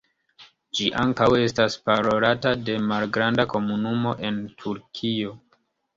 Ĝi ankaŭ estas parolata de malgranda komunumo en Turkio.